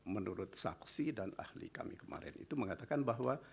menurut saksi dan ahli kami kemarin itu mengatakan bahwa